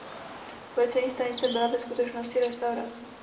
Policejní stanice byla ve skutečnosti restaurace.